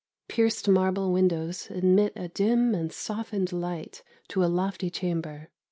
Pierced marble windows admit a dim and softened light to a lofty chamber.